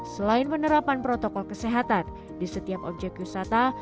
selain penerapan protokol kesehatan di setiap objek wisata